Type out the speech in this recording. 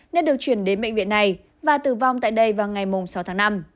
nên được chuyển đến bệnh viện này và tử vong tại đây vào ngày sáu tháng năm